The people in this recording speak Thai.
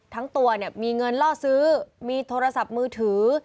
ทั้งตัวเนี่ยมีเงินล่อซื้อมีโทรศัพท์มือถือ